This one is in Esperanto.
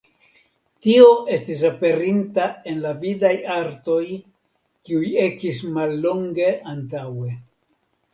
Tio estis aperinta en la vidaj artoj kiuj ekis mallonge antaŭe.